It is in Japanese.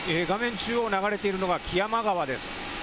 中央を流れているのが木山川です。